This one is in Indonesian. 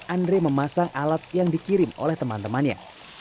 andre memasang alat yang dikirim oleh teman temannya